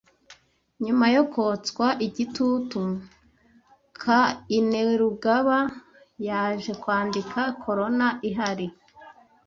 Nyuma yo kotswa igitutu, Kainerugaba yaje kwandika corona ihari